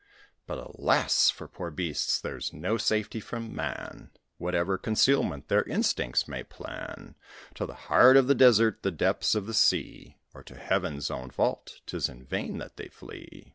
But, alas! for poor beasts there's no safety from man, Whatever concealment their instincts may plan; To the heart of the desert, the depths of the sea, Or to heaven's own vault, 'tis in vain that they flee.